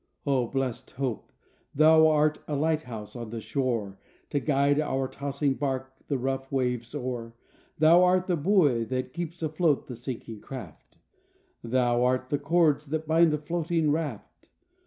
, O, blessed Hope! Thou art a light house on the shore To guide our tossing barque the rough waves o'er. Thou art the buoy that keeps afloat the sinking craft, 36 LIFE WAVES Thou art the cords that bind the floating raft.